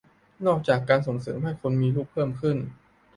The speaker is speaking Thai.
นอกจากการส่งเสริมให้คนมีลูกเพิ่มขึ้น